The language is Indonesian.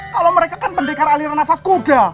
kalau mereka kan pendekar aliran nafas kuda